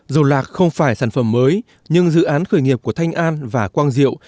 dù lạc không phải sản phẩm mới nhưng dự án khởi nghiệp của thanh an và quang diệu